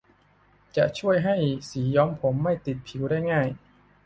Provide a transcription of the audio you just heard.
จะช่วยให้สีย้อมผมไม่ติดผิวได้ง่าย